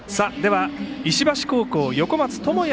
石橋高校横松誠也